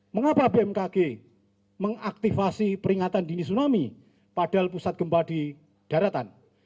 mengapa bmkg mengaktifasi peringatan dini tsunami padahal pusat gempa di daratan